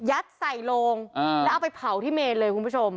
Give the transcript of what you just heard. ใส่โลงแล้วเอาไปเผาที่เมนเลยคุณผู้ชม